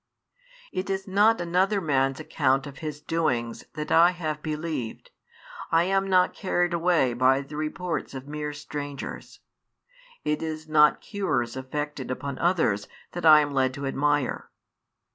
It is not another man's account of His doings that I have believed: I am not carried away by the reports of mere strangers: it is not cures effected upon others that I am led to admire.